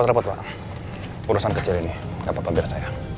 nggak perlu repot repot pak urusan kecil ini nggak apa apa biar saya